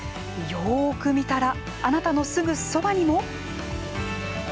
よーく見たらあなたのすぐそばにも。